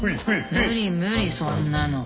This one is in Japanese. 無理無理そんなの。